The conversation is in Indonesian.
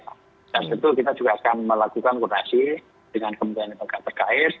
dan tentu kita juga akan melakukan kurasi dengan kemudian dengan kata kais